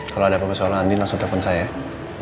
kalau ada apa masalah andin langsung telpon saya ya